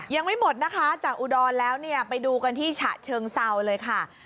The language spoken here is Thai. ยังไม่หมดนะคะจากอุดรแล้วเนี่ยไปดูกันที่ฉะเชิงเซาเลยค่ะ